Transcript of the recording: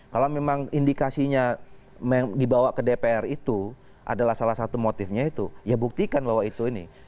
kalau memang indikasinya dibawa ke dpr itu adalah salah satu motifnya itu ya buktikan bahwa itu ini